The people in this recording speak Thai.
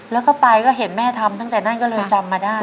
แล้วก็ไปก็เห็นแม่ทำตั้งแต่นั้นก็เลยจำมาได้